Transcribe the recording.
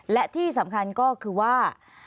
และที่สำคัญก็คือว่า